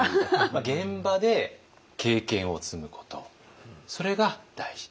現場で経験を積むことそれが大事。